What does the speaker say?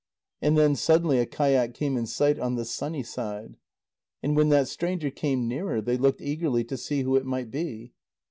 And then suddenly a kayak came in sight on the sunny side. And when that stranger came nearer, they looked eagerly to see who it might be.